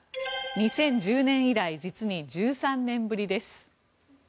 ２０１０年以来実に１３年ぶりです。